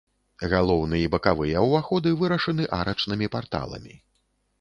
Галоўны і бакавыя ўваходы вырашаны арачнымі парталамі.